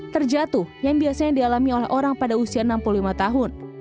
terjatuh yang biasanya dialami oleh orang pada usia enam puluh lima tahun